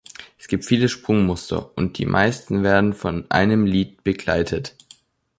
Es gibt viele Sprungmuster und die meisten werden von einem Lied begleitet.